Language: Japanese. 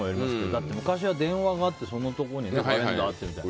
だって昔は電話があってそのところにカレンダーがあってみたいな。